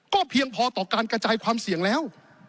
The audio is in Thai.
เพียงพอต่อการกระจายความเสี่ยงแล้ว